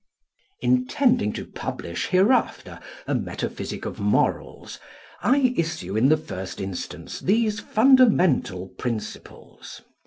Intending to publish hereafter a metaphysic of morals, I issue in the first instance these fundamental principles.